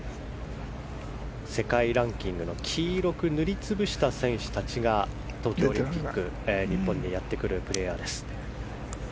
世界ランキングの黄色く塗りつぶした選手たちが東京オリンピック日本にやってくるプレーヤー。